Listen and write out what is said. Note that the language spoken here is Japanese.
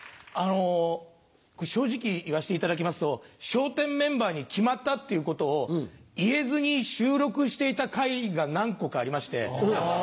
あの正直言わしていただきますと笑点メンバーに決まったっていうことを言えずに収録していた回が何個かありまして。